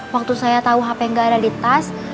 waktu saya tau hp gak ada di tas